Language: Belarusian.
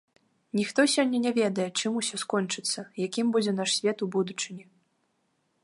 Ніхто сёння не ведае, чым усё скончыцца, якім будзе наш свет у будучыні.